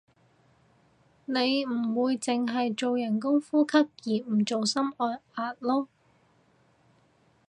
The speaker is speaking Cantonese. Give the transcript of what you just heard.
你唔會淨係做人工呼吸而唔做心外壓囉